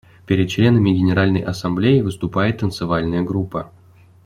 Перед членами Генеральной Ассамблеи выступает танцевальная группа.